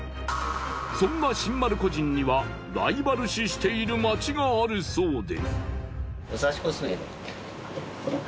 そんな新丸子人にはライバル視している街があるそうで。